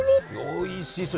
おいしそう。